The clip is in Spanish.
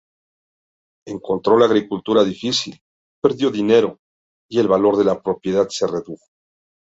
Encontró la agricultura difícil, perdió dinero, y el valor de la propiedad se redujo.